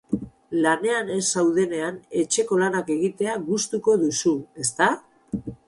Lanean ez zaudenean, etxeko lanak egitea gustuko duzu, ezta?